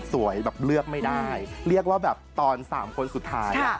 แบบเลือกไม่ได้เรียกว่าแบบตอน๓คนสุดท้าย